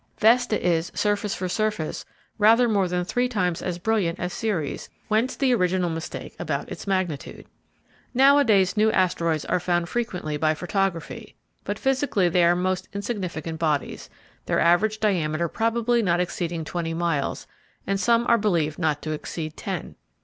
Vesta is, surface for surface, rather more than three times as brilliant as Ceres, whence the original mistake about its magnitude. Nowadays new asteroids are found frequently by photography, but physically they are most insignificant bodies, their average diameter probably not exceeding twenty miles, and some are believed not to exceed ten.